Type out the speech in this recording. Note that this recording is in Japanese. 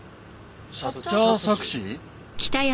サッチャー錯視？